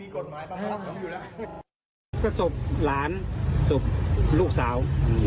ก็จบหลานจบลูกสาว